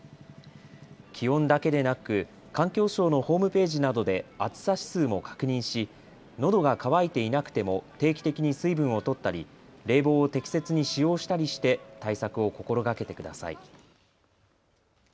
気温だけでなく環境省のホームページなどで暑さ指数も確認し、のどが渇いていなくても定期的に水分をとったり冷房を適切に使用したりして対策を心がけてください。